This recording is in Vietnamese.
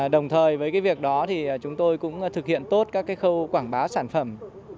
đồng thời với việc đó thì chúng tôi cũng thực hiện tốt các khâu quảng bá sản phẩm